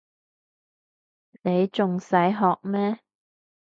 你仲使學咩